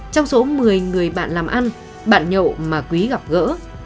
trong số một mươi người bạn làm ăn bạn nhậu mà quý gặp gỡ